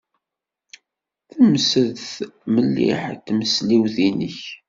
Temsed mliḥ tmesliwt-nnek.